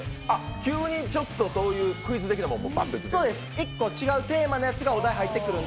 急にちょっとそういうクイズ的なものも。